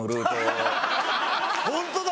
ホントだ！